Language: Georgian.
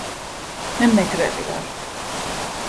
მე მეგრელი ვარ!